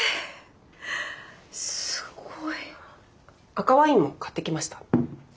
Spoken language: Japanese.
赤ワインも買ってきました。